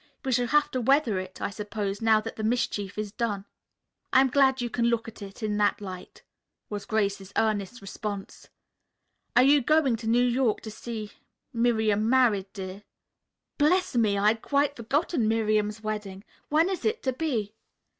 We shall have to weather it, I suppose, now that the mischief is done." "I am glad you can look at it in that light," was Grace's earnest response. "Are you going to New York to see Miriam married, dear?" "Bless me, I had quite forgotten Miriam's wedding. When is it to be?"